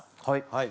はい。